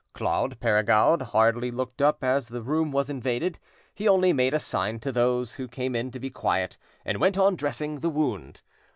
Claude Perregaud hardly looked up as the room was invaded; he only made a sign to those—who came in to be quiet, and went on dressing the wound.